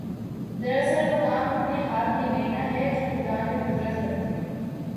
دراصل وہ کام اپنے ہاتھ میں لینا ہے جوخدا نے قدرت رکھتے